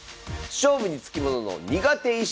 勝負に付きものの苦手意識。